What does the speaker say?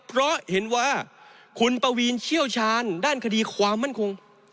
เพราะเห็นว่าคุณปวีนเชี่ยวชาญด้านคดีความมั่นคง